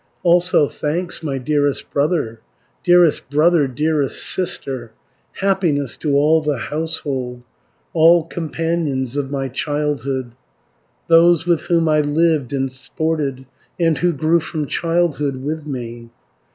340 "Also thanks, my dearest brother, Dearest brother, dearest sister, Happiness to all the household, All companions of my childhood, Those with whom I lived and sported, And who grew from childhood with me.